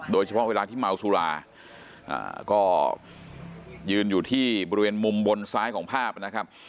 เวลาที่เมาสุราก็ยืนอยู่ที่บริเวณมุมบนซ้ายของภาพนะครับ